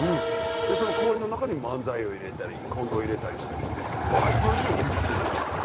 その講演の中に漫才を入れたりコントを入れたりして笑いっぱなしの９０分なんですよ。